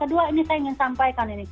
kedua ini saya ingin sampaikan ini